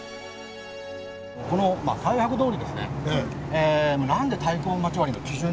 この大博通りですねえ